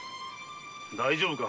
大丈夫か？